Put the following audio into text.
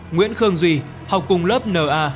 nguyễn khương duy học cùng lớp n a